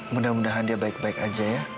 mudah mudahan dia baik baik aja ya